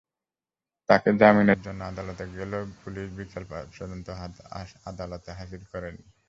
তাঁর জামিনের জন্য আদালতে গেলেও পুলিশ বিকেল পর্যন্ত আদালতে হাজির করেনি।